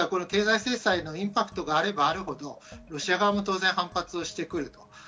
経済制裁のインパクトがあればあるほど、ロシア側も当然反発をしてくる。